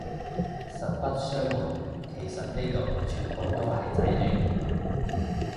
實不相暪，其實呢度全部都係仔嚟